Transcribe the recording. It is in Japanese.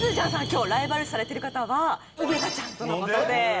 今日ライバル視されてる方は井桁ちゃんとの事で。